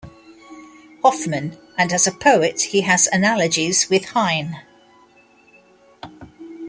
Hoffmann, and as a poet he has analogies with Heine.